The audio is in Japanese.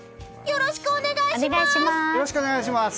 よろしくお願いします！